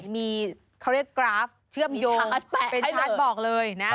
มีเขาเรียกกราฟเชื่อมโยงเป็นที่ฉันบอกเลยนะ